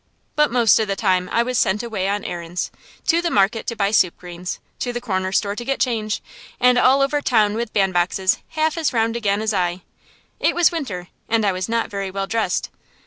But most of the time I was sent away on errands to the market to buy soup greens, to the corner store to get change, and all over town with bandboxes half as round again as I. It was winter, and I was not very well dressed.